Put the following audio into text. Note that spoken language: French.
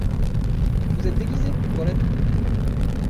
Vous êtes déguisés, voilà tout.